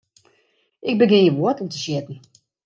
Ik begjin hjir woartel te sjitten.